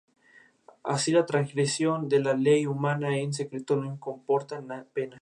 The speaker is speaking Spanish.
Así la transgresión de la ley humana en secreto no comporta pena.